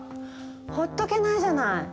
ほっとけないじゃない？